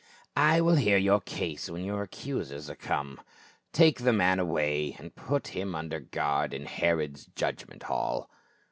" I will hear your case when your accusers are come. — Take the man away, and put him under guard in Herod's judgment hall."